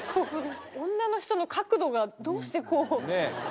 女の人の角度がどうしてこう？